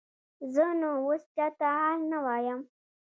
زه نو اوس چاته حال نه وایم.